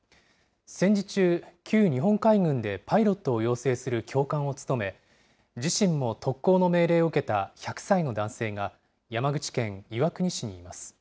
戦時中、旧日本海軍でパイロットを養成する教官を務め、自身も特攻の命令を受けた１００歳の男性が、山口県岩国市にいます。